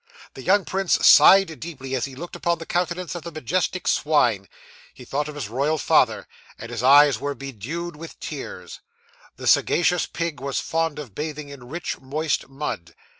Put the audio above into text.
The young prince sighed deeply as he looked upon the countenance of the majestic swine; he thought of his royal father, and his eyes were bedewed with tears. 'This sagacious pig was fond of bathing in rich, moist mud.